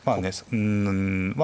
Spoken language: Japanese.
うんまあ